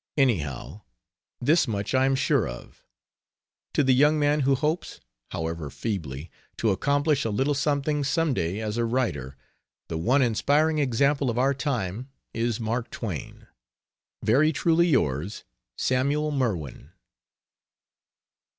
Anyhow, this much I am sure of to the young man who hopes, however feebly, to accomplish a little something, someday, as a writer, the one inspiring example of our time is Mark Twain. Very truly yours, SAMUEL MERWIN.